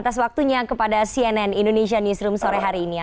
atas waktunya kepada cnn indonesia newsroom sore hari ini